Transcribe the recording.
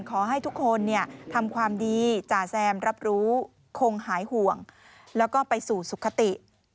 ขอให้ทุกคนทำความดีจ่าแซมรับรู้คงหายห่วงแล้วก็ไปสู่สุขติ